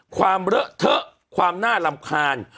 ความเหลือเถอะความหน้าลำคาญ